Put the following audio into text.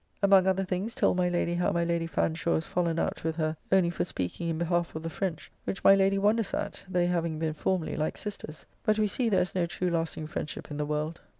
Among other things told my Lady how my Lady Fanshaw is fallen out with her only for speaking in behalf of the French, which my Lady wonders at, they having been formerly like sisters, but we see there is no true lasting friendship in the world.